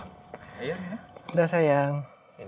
pada saat ini